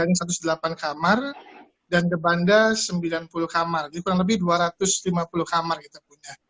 ada satu ratus delapan kamar dan ke banda sembilan puluh kamar jadi kurang lebih dua ratus lima puluh kamar kita punya